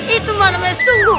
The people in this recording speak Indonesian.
itu malemnya sungguh